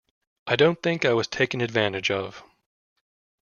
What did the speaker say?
I don't think I was taken advantage of.